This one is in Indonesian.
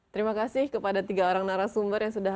terima kasih kepada tiga orang narasumber yang sudah